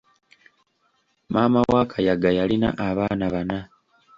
Maama wa Kayaga yalina abaana bana.